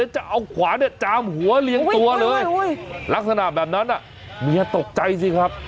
จะเอาขวานจามหัวเลี้ยงตัวเลยลักษณะแบบนั้นเมียตกใจสิครับ